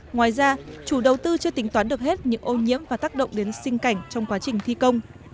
ngoài ra chủ đầu tư chưa tính toán được hết những ô nhiễm và tác động đến sinh cảnh trong quá trình thi công